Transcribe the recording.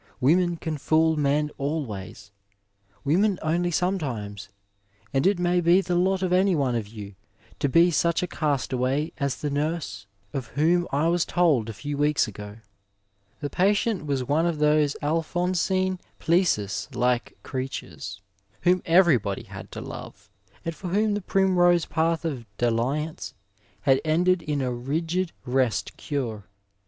Women can fool men always, women only sometimes, and it may b^ the lot of any one of you to be such a castaway as the niirse of whom I was told a few weeks ago. The patient was one of those Alphonsine Plessis like creatures whoni everybody had to love, and for whom the primrose path of dalliance had Digitized by VjOOQIC NURSE AND PATIENT ended in a rigid rest cure.